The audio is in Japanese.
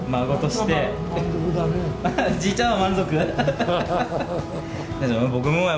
じいちゃんは満足？